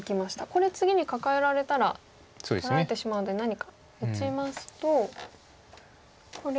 これ次にカカえられたら取られてしまうので何か打ちますとこれは。